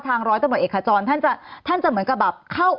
ร้อยตำรวจเอกขจรท่านจะเหมือนกับแบบเข้า